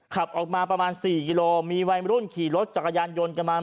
ขับออกมาประมาณ๔กิโลมีวัยมรุ่นขี่รถจักรยานยนต์กันมา